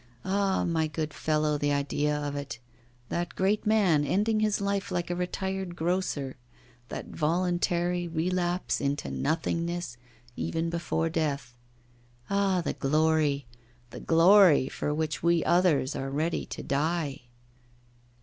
Ah, my good fellow, the idea of it! That great man ending his life like a retired grocer; that voluntary relapse into "nothingness" even before death. Ah, the glory, the glory for which we others are ready to die!